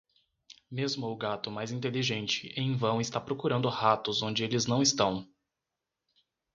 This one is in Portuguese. Mesmo o gato mais inteligente em vão está procurando ratos onde eles não estão.